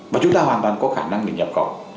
và chúng ta hoàn toàn có khả năng mình nhập khẩu